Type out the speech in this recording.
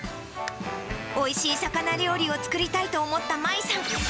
おいしい魚料理を作りたいと思ったまいさん。